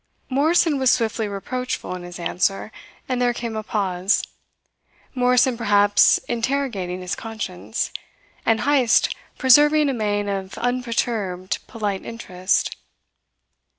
Morrison was swiftly reproachful in his answer, and there came a pause, Morrison perhaps interrogating his conscience, and Heyst preserving a mien of unperturbed, polite interest.